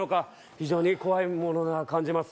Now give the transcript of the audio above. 非常に怖いものが感じます